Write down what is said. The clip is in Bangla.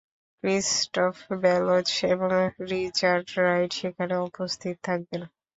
ক্রিস্টফ ভালৎজ এবং রিচার্ড রাইট সেখানে উপস্থিত থাকবেন।